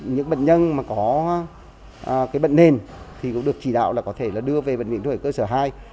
những bệnh nhân mà có bệnh nền thì cũng được chỉ đạo là có thể đưa về bệnh viện trung ương huế cơ sở hai